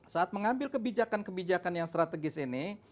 saat mengambil kebijakan kebijakan yang strategis ini